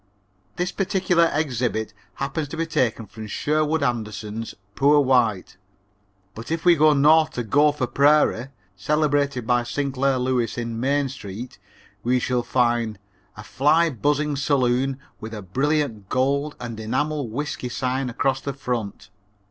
This particular exhibit happens to be taken from Sherwood Anderson's Poor White, but if we go north to Gopher Prairie, celebrated by Sinclair Lewis in Main Street, we shall find: "A fly buzzing saloon with a brilliant gold and enamel whisky sign across the front.